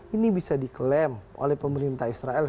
ini bisa diklaim oleh pemerintah israel